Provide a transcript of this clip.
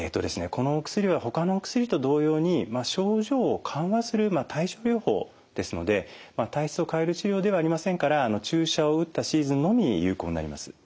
このお薬はほかのお薬と同様に症状を緩和する対症療法ですので体質を変える治療ではありませんから注射を打ったシーズンのみ有効になります。